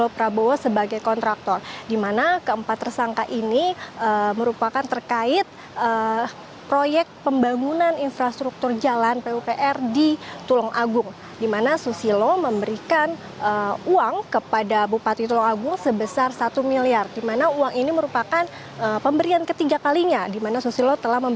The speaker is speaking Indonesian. pemeriksaan selama tujuh jam